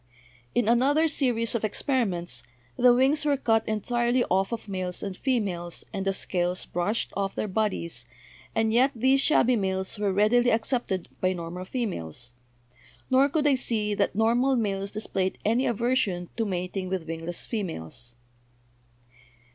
"In another series of experiments the wings were cut entirely off of males and females and the scales brushed off their bodies, and yet these shabby males were readily accepted by normal females; nor could I see that normal males displayed any aversion to mating with wingless females."